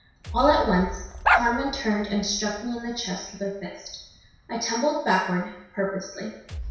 All at once Carmen turned and struck me in the chest with her fist. I tumbled backward, purposely.